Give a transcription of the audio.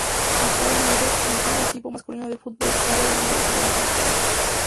Actualmente, entrena al equipo masculino de fútbol sala de la Universidad de Alicante.